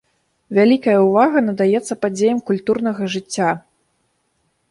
Вялікая ўвага надаецца падзеям культурнага жыцця.